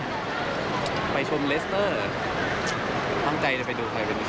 และก็ไปชมเลเซเตอร์บ้างฟังใจว่าไปดูคัทเป็นพิเศษ